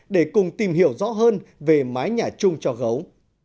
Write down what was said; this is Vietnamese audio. để cùng tìm hiểu rõ hơn về mái nhà chung cho gấu